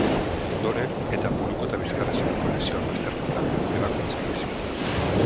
Ondoren, eta buruko eta bizkarrezurreko lesioak baztertuta, ebakuntza egin zioten aurpegian.